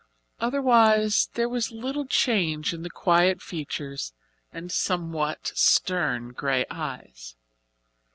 Otherwise there was little change in the quiet features and somewhat stern grey eyes.